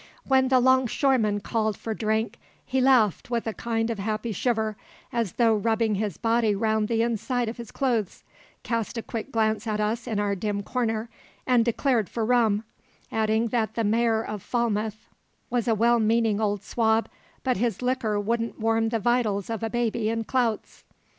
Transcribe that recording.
When the 'longshoremen called for drink he laughed with a kind of happy shiver, as though rubbing his body round the inside of his clothes, cast a quick glance at us in our dim corner, and declared for rum, adding that the Mayor of Falmouth was a well meaning old swab, but his liquor wouldn't warm the vitals of a baby in clouts.